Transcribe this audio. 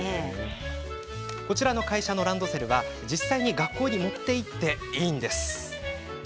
こちらの会社のランドセルは実際に学校に持って行っていいんです。